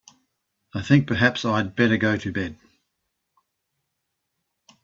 I think perhaps I'd better go to bed.